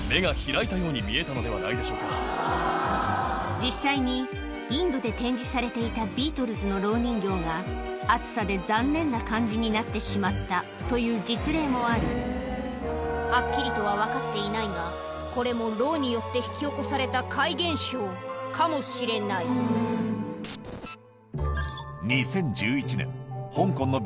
実際にインドで展示されていたビートルズのろう人形が暑さで残念な感じになってしまったという実例もあるはっきりとは分かっていないがこれもろうによって引き起こされた怪現象かもしれない２０１１年